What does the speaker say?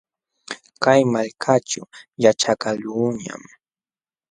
Kay malkaćhu yaćhakaqluuñam.